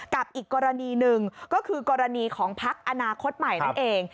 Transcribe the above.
กับอีกกรณีหนึ่งก็คือกรณีของพักอนาคตใหม่นั่นเอง